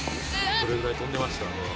どれくらい飛んでました？